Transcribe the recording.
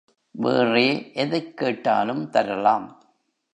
வேறே எதைக் கேட்டாலும் தரலாம்.